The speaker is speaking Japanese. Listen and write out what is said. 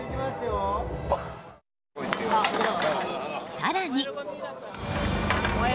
更に。